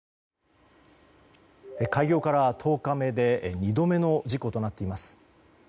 開業から１０日目で２度目の事故となっています。